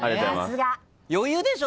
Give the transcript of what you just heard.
余裕でしょ？